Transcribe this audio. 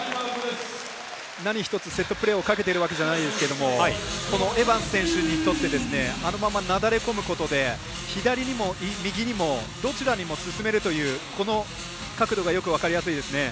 何１つセットプレーをかけているわけじゃないですがこのエバンス選手にとってあのまま、なだれ込むことで左にも右にもどちらにも進めるというこの角度がよく分かりやすいですね。